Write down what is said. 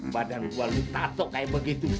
badan gua lu tatok kayak begitu